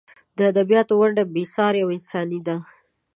د ادبیاتو ونډه بې سارې او انساني ده.